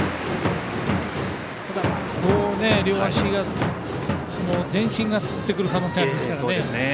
ただ、両足から全身がつってくる可能性がありますから。